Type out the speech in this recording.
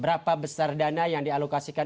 berapa besar dana yang dialokasikan